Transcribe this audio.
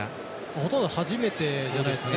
ほとんど初めてじゃないですかね。